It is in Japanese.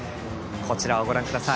こちらをご覧下さい。